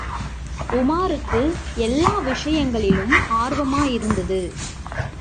உமாருக்கு எல்லா விஷயங்களிலும் ஆர்வமாயிருந்தது.